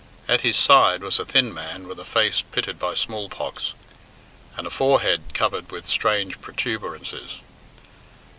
At his side was a thin man with a face pitted by smallpox, and a forehead covered with strange protuberances.